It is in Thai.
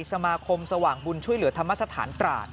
สมาคมสว่างบุญช่วยเหลือธรรมสถานตราด